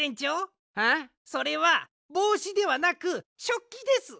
それはぼうしではなくしょっきです！